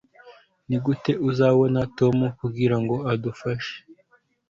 nigute uzabona tom kugirango adufashe